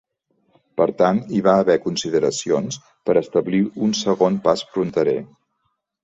Per tant, hi va haver consideracions per establir un segon pas fronterer.